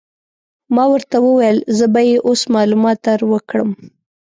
ما ورته وویل: زه به يې اوس معلومات در وکړم.